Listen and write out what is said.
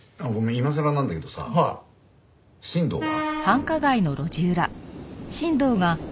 今さらなんだけどさ新藤は？